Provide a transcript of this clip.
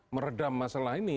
meredam masalah ini